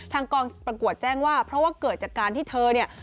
ทางกองประกวดแจ้งว่าเพราะว่าเกิดจากการที่เธอเนี่ย